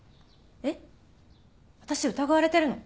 えっ私疑われてるの？